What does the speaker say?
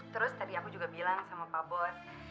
terus tadi aku juga bilang sama pak bos